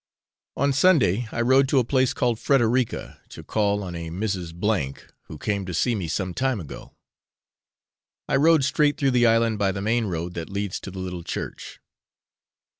On Sunday, I rode to a place called Frederica to call on a Mrs. A , who came to see me some time ago. I rode straight through the island by the main road that leads to the little church.